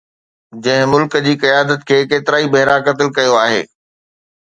جنهن ملڪ جي قيادت کي ڪيترائي ڀيرا قتل ڪيو آهي